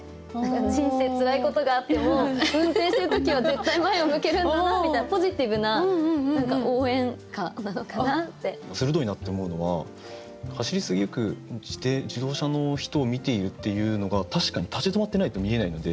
人生つらいことがあっても運転してる時は絶対前を向けるんだなみたいな鋭いなと思うのは走り過ぎ行く自動車の人を見ているっていうのが確かに立ち止まってないと見えないので。